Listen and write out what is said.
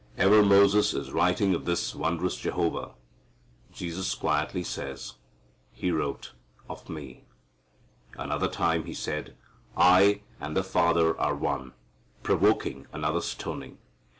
Ever Moses is writing of this wondrous Jehovah. Jesus quietly says, "He wrote of Me." Another time He said, "I and the Father are one," provoking another stoning.